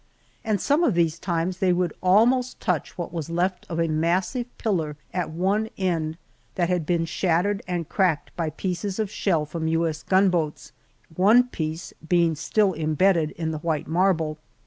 At some of these times they would almost touch what was left of a massive pillar at one end, that had also been shattered and cracked by pieces of shell from U.S. gunboats, one piece being still imbedded in the white marble.